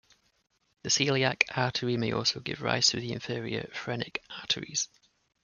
The celiac artery may also give rise to the inferior phrenic arteries.